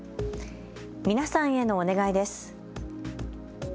皆さんへのお願いです。